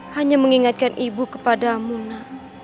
hanya mengingatkan ibu kepadamu na